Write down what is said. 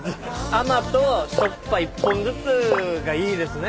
甘としょっぱ１本ずつがいいですね。